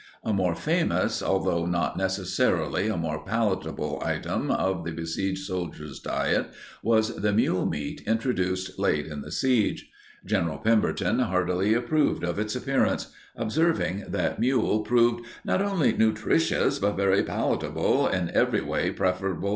A more famous, although not necessarily a more palatable, item of the besieged soldiers' diet was the mule meat introduced late in the siege. General Pemberton heartily approved of its appearance, observing that mule proved "not only nutritious, but very palatable, in every way preferable to poor beef."